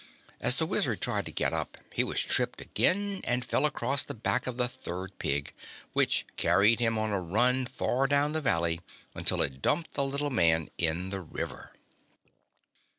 As the Wizard tried to get up he was tripped again and fell across the back of the third pig, which carried him on a run far down the valley until it dumped the little man in the river.